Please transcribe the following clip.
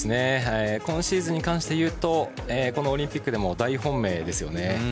今シーズンに関していうとこのオリンピックでも大本命ですよね。